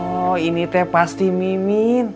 oh ini teh pasti mimin